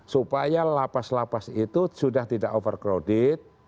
supaya lapas lapas itu sudah tidak overcrowded